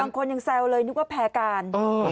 บางคนยังแซวเลยนึกว่าแพ้การ